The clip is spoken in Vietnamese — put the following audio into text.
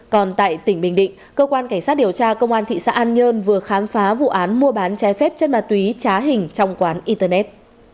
còn tại tỉnh bình định cơ quan cảnh sát điều tra công an thị xã an nhơn vừa khám phá vụ án mua bán trái phép chân ma túy trá hình trong quán internet